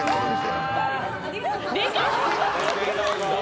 ありがとうございます。